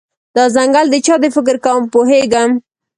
دا ځنګل د چا دی، فکر کوم پوهیږم